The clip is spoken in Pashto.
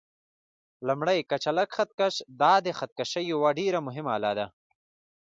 لومړی: کچالک خط کش: دا د خط کشۍ یوه ډېره مهمه آله ده.